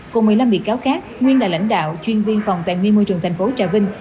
cùng một mươi năm bị cáo khác nguyên là lãnh đạo chuyên viên phòng tài nguyên môi trường tp trà vinh